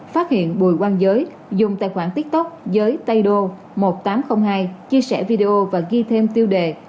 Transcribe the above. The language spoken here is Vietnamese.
phát hiện bùi quang giới dùng tài khoản tiktok giới tây đô một nghìn tám trăm linh hai chia sẻ video và ghi thêm tiêu đề